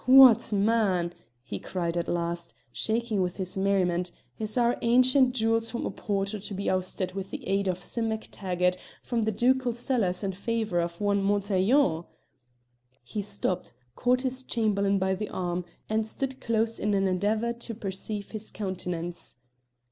"What, man!" he cried at last, shaking with his merriment, "is our ancient Jules from Oporto to be ousted with the aid of Sim MacTaggart from the ducal cellars in favour of one Montaiglon?" He stopped, caught his Chamberlain by the arm, and stood close in an endeavour to perceive his countenance.